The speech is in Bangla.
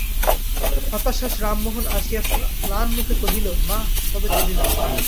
হতাশ্বাস রামমোহন আসিয়া ম্লানমুখে কহিল, মা, তবে চলিলাম।